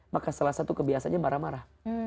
maka salah satu kebiasaannya marah marah